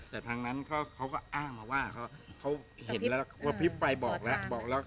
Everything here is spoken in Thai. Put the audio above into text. แต่ทางนั้นเขาก็อ้างมาว่าเขาเห็นแล้วว่าพริบไฟบอกแล้วบอกแล้ว